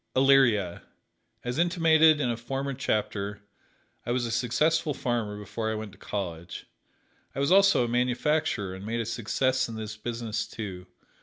Elyria: As intimated in a former chapter, I was a successful farmer before I went to college. I was also a manufacturer, and made a success in this business, too.